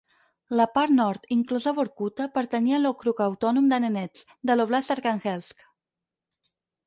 La part nord, inclosa Vorkuta, pertanyia a l'ókrug autònom de Nenets, de l'óblast d'Arkhangelsk.